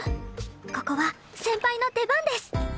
ここは先輩の出番です！